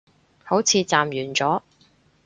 好似暫完咗